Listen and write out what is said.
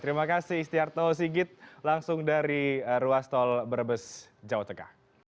terima kasih istiarto sigit langsung dari ruas tol brebes jawa tengah